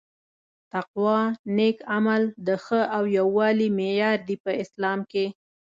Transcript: تقوا نيک عمل د ښه او لووالي معیار دي په اسلام کي